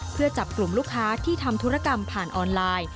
เพื่อจับกลุ่มลูกค้าที่ทำธุรกรรมผ่านออนไลน์